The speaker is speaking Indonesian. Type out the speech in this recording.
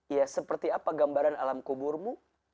ya seperti apa gambaran alam kuburmu